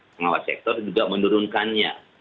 mengawal sektor juga menurunkannya